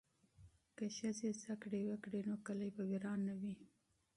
که ښځې تعلیم وکړي نو کلي به وران نه وي.